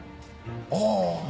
ああ。